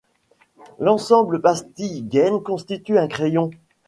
L'ensemble pastilles gaine constitue un crayon.